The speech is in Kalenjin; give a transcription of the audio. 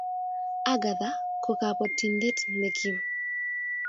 Agatha ko kabotindet nekiim